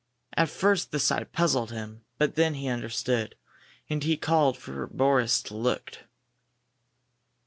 At first the sight puzzled him, but then he understood, and he called to Boris to look.